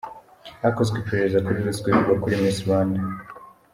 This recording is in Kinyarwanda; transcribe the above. Hakozwe iperereza kuri ruswa ivugwa muri Miss Rwanda.